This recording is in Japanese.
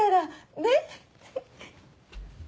ねっ！